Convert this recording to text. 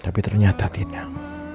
tapi ternyata tidak